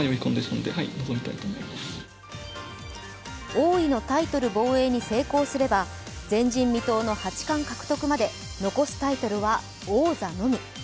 王位のタイトル防衛に成功すれば前人未到の八冠獲得まで残すタイトルは王座のみ。